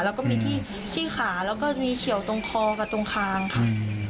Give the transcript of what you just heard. แล้วก็มีที่ขาแล้วก็มีเขียวตรงคอกับตรงคางค่ะ